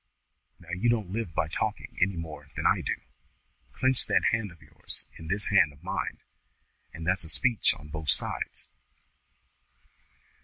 Now you don't live by talking any more than I do. Clench that hand of yours in this hand of mine, and that's a speech on both sides."